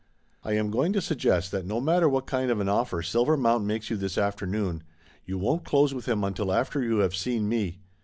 "I am going to suggest that no matter what kind of an offer Silvermount makes you this afternoon, you won't close with him until after you have seen me.